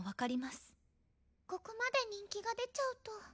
ここまで人気が出ちゃうと。